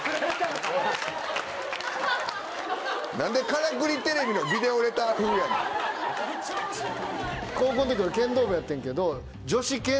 ・何で『からくりＴＶ』のビデオレター風やねん。高校ん時俺剣道部やってんけど。